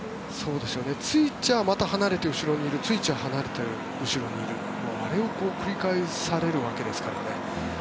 ついちゃまた離れて後ろにいるついては離れて後ろにいるあれを繰り返されるわけですからね。